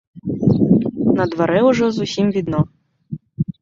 На дварэ ўжо зусім відно.